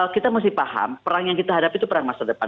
kita mesti paham perang yang kita hadapi itu perang masa depan